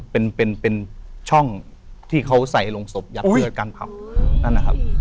เป็นเป็นเป็นช่องที่เขาใส่ลงศพอยากเกลือการผักอุ้ยนั่นนะครับ